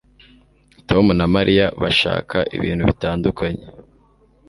Tom na Mariya bashaka ibintu bitandukanye